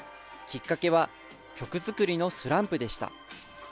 きっかけは、曲作りのスランプでした。